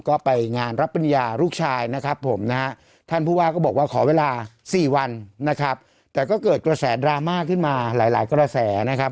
ก็ไปงานรับปริญญาลูกชายนะครับผมนะฮะท่านผู้ว่าก็บอกว่าขอเวลา๔วันนะครับแต่ก็เกิดกระแสดราม่าขึ้นมาหลายกระแสนะครับ